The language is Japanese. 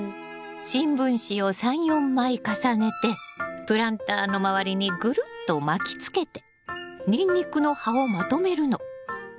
新聞紙を３４枚重ねてプランターの周りにグルッと巻きつけてニンニクの葉をまとめるの。